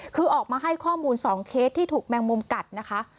คือออกมาให้ข้อมูล๒เคสที่ถูกแมงมุมกัดนะคะ